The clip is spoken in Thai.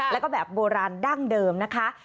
แล้วก็แบบโบราณดั้งเดิมนะคะ